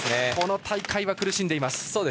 この大会は苦しんでいます。